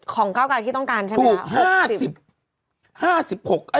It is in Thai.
ของเก้ากาคิดต้องการใช่มั๊ย